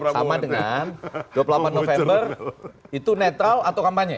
sama dengan dua puluh delapan november itu netral atau kampanye